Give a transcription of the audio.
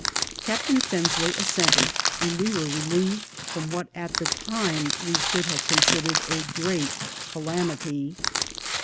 Captain Fensley assented, and we were relieved from what at the time we should have considered a great calamity.